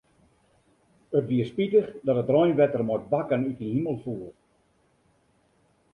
It wie spitich dat it reinwetter mei bakken út 'e himel foel.